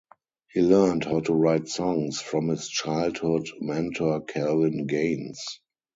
He learned how to write songs from his childhood mentor Calvin Gaines.